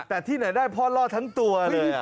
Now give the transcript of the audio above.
แต่ที่ไหนได้พ่อรอดทั้งตัวเลย